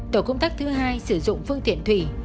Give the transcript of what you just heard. tổ công tác thứ hai sử dụng phương tiện thủy